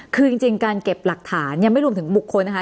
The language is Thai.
คือจริงการเก็บหลักฐานยังไม่รวมถึงบุคคลนะคะ